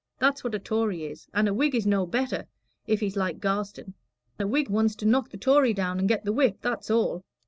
That's what a Tory is; and a Whig is no better, if he's like Garstin. A Whig wants to knock the Tory down and get the whip, that's all.